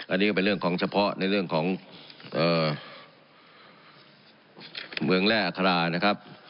อันนี้ก็เป็นเรื่องของเฉพาะในเรื่องของเมืองแร่อัครานะครับ